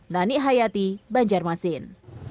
nani hayati banjarmasin